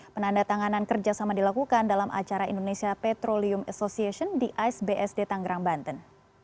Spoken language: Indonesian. penandatanganan kerjasama dilakukan dalam acara indonesia petroleum association di ais bsd tanggerang banten